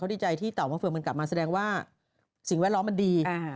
ดีใจที่เต่ามะเฟืองมันกลับมาแสดงว่าสิ่งแวดล้อมมันดี